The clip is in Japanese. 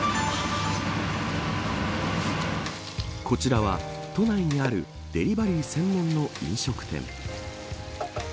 こちらは都内にあるデリバリー専門の飲食店。